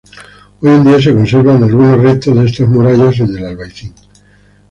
Hoy en día se conservan algunos restos de estas murallas en el Albaicín.